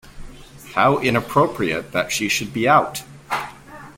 How inappropriate that she should be out!